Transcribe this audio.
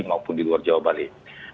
maupun di luar jawa bali